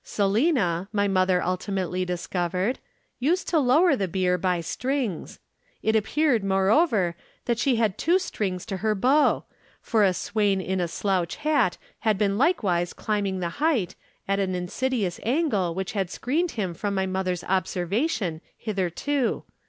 Selina, my mother ultimately discovered, used to lower the beer by strings. It appeared, moreover, that she had two strings to her bow, for a swain in a slouch hat had been likewise climbing the height, at an insidious angle which had screened him from my mother's observation hitherto.